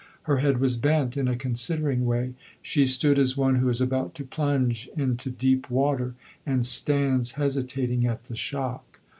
Her head was bent in a considering way; she stood as one who is about to plunge into deep water, and stands hesitating at the shock.